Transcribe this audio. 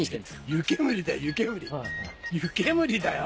湯煙だよ？